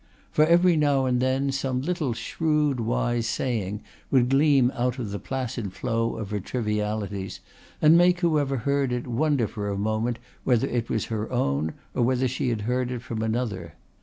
For every now and then some little shrewd wise saying would gleam out of the placid flow of her trivialities and make whoever heard it wonder for a moment whether it was her own or whether she had heard it from another.